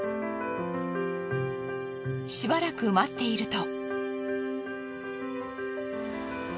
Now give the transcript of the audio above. しばらく待っていると。